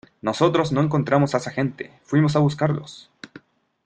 nosotros no encontramos a esa gente, fuimos a buscarlos.